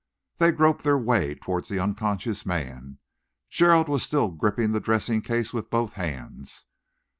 They groped their way towards the unconscious man, Gerald still gripping the dressing case with both hands.